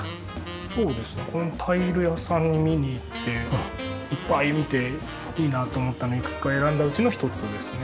そうですねこれもタイル屋さんに見に行っていっぱい見ていいなと思ったのをいくつか選んだうちの一つですね。